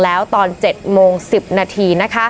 แล้วตอน๗โมง๑๐นาที